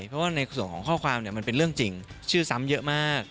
เพราะว่าในส่วนของข้อความมันเป็นเรื่องจริงชื่อซ้ำเยอะมาก